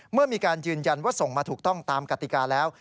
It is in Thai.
เมื่อมีการยืนยันว่าส่งมาถูกต้องตามกติกาแล้ว